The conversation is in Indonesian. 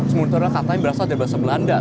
semur itu adalah katanya berasal dari bahasa belanda